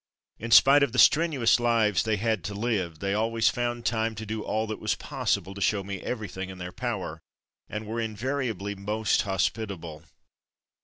In spite of the strenu ous lives they had to live they always found time to do all that was possible to show me everything in their power, and were invari ably most hospitable.